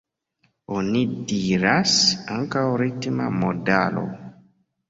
Oni diras ankaŭ ritma modalo.